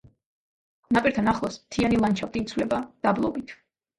ნაპირთან ახლოს მთიანი ლანდშაფტი იცვლება დაბლობით.